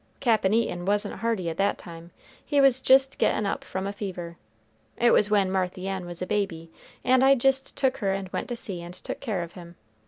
Cap'n Eaton wasn't hearty at that time, he was jist gettin' up from a fever, it was when Marthy Ann was a baby, and I jist took her and went to sea and took care of him.